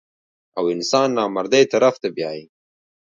او انسان نامردۍ طرف ته بيائي -